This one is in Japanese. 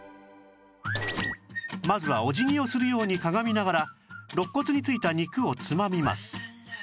まずはお辞儀をするようにかがみながらろっ骨についた肉をつまみます